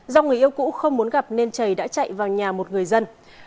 do người yêu cũ không muốn gặp nên trời đã chạy vào nhà một người dân